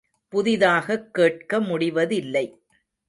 புதிதாகக் கேட்க முடிவதில்லை.